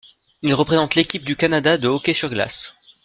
Il représente l'Équipe du Canada de hockey sur glace.